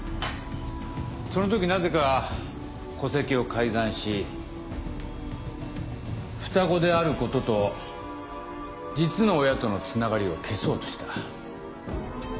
その時なぜか戸籍を改ざんし双子であることと実の親とのつながりを消そうとした。